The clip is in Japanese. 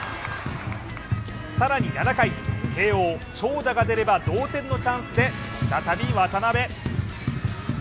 更に７回、慶応、長打が出れば同点のチャンスで、再び渡部。